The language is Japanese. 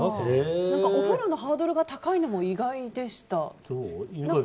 お風呂のハードルが高いのも意外でした。